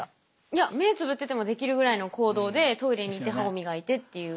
いや目つぶっててもできるぐらいの行動でトイレに行って歯を磨いてっていう。